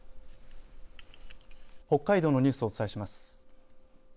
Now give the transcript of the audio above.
北海道のニュースをお伝えします。